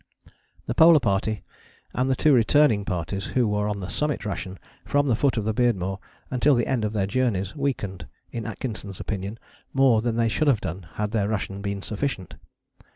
The Polar Party and the two returning parties, who were on the Summit ration from the foot of the Beardmore until the end of their journeys, weakened, in Atkinson's opinion, more than they should have done had their ration been sufficient.